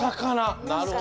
なるほど。